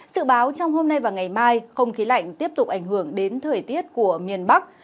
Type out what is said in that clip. sự báo trong hôm nay và ngày mai không khí lạnh tiếp tục ảnh hưởng đến thời tiết của miền bắc